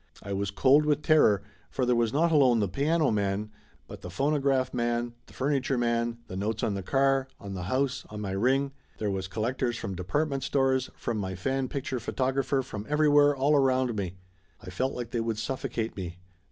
I was cold with terror, for there was not alone the piano man, but the phonograph man, the furniture man, the notes on the car, on the house, on my ring. There was col lectors from department stores, from my fan picture photographer, from everywhere, all around me. I felt like they would suffocoate me.